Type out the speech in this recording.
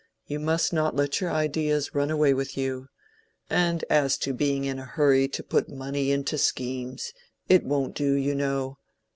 You must not let your ideas run away with you. And as to being in a hurry to put money into schemes—it won't do, you know.